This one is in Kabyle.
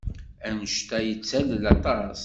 Anect-a yettalel aṭas.